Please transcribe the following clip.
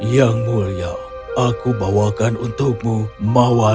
yang mulia aku bawakan untukmu mawar